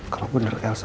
kalau bener elsa